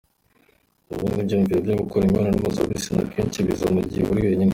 Ubundi ibyiyumviro byo gukora imibonano mpuzabitsina akenshi biza mu gihe uri wenyine.